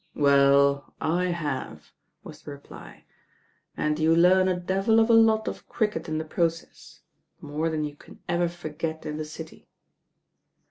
"Well, I have," was the reply, "and you learn a devil of a lot of cricket in the process, more than you can ever forget in the city."